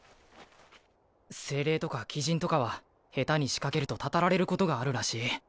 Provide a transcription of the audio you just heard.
精霊とか鬼神とかは下手に仕掛けると祟られることがあるらしい。